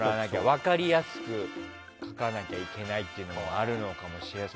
分かりやすく書かなきゃいけないっていうのもあるかもしれない。